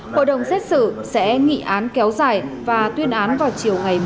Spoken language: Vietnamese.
hội đồng xét xử sẽ nghị án kéo dài và tuyên án vào chiều ngày một mươi tháng